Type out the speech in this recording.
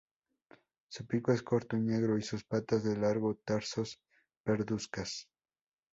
Su pico es corto y negro, y sus patas de largos tarsos parduzcas.